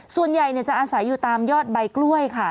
ส่วนใหญ่จะอาศัยอยู่ตามยอดใบกล้วยค่ะ